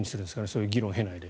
そういう議論を経ないで。